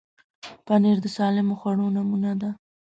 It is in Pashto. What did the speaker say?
پنېر د سالمو خوړو نمونه ده.